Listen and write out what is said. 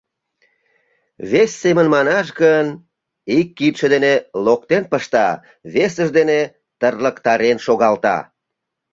Вес семын манаш гын, ик кидше дене локтен пышта, весыж дене тырлыктарен шогалта.